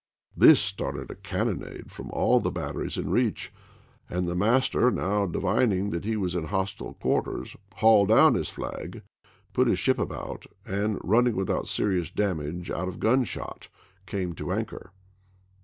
This started a cannonade from all the chap. ii. batteries in reach, and the master, now divining that he was in hostile quarters, hauled down his flag, put his ship about, and, running without serious damage out of gun shot, came to anchor.